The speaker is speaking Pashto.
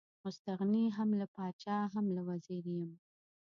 مستغني هم له پاچا هم له وزیر یم.